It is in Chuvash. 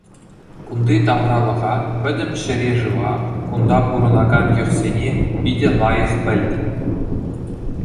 Кунти тавралӑха, пӗтӗм ҫӗре-шыва, кунта пурӑнакан йӑхсене питӗ лайӑх пӗлнӗ.